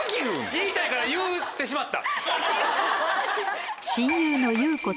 言いたいから言ってしまった。